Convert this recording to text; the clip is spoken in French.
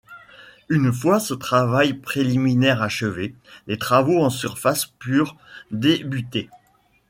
Une fois ce travail préliminaire achevé, les travaux en surface purent débuter.